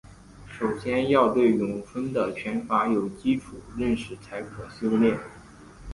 首先要对咏春的拳法有基础认识才可修练。